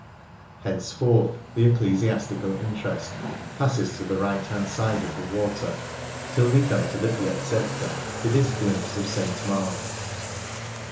Henceforth the ecclesiastical interest passes to the right hand side of the water, till we come to the Piazzetta, with its glimpse of St. Mark's.